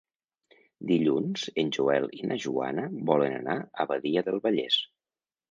Dilluns en Joel i na Joana volen anar a Badia del Vallès.